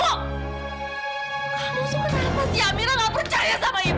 kamu sebenarnya pasti amirah gak percaya sama ibu